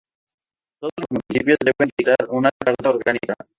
Todos los municipios deben dictar una carta orgánica.